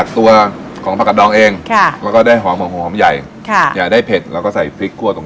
ค่ะอื้อหือหอมจริง